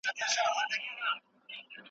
له زمري پاچا یې وکړله غوښتنه `